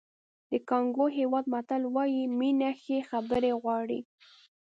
د کانګو هېواد متل وایي مینه ښې خبرې غواړي.